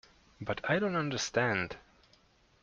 But I don't understand.